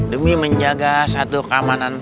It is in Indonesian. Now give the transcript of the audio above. demi menjaga satu keamanan